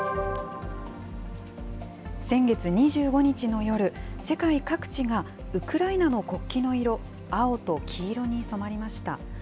先月２５日の夜、世界各地がウクライナの国旗の色、青と黄色に染まりました。